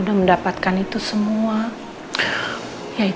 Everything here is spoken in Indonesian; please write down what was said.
tak ada kurang sakit